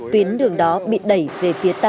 tuyến đường đó bị đẩy về phía ta